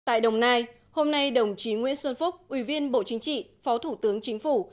tại đồng nai hôm nay đồng chí nguyễn xuân phúc ủy viên bộ chính trị phó thủ tướng chính phủ